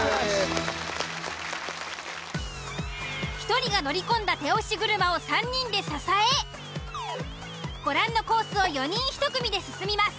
１人が乗り込んだ手押し車を３人で支えご覧のコースを４人１組で進みます。